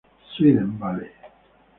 Sweden Valley